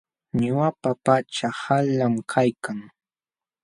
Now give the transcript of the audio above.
Ñuqapa pachaa qanlam kaykan.